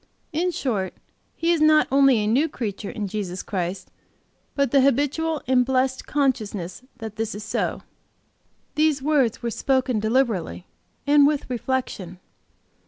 In short, he is not only a new creature in Jesus Christ, but the habitual and blessed consciousness that this is so." These words were spoken deliberately and with reflection.